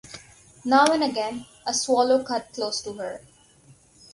Now and again, a swallow cut close to her.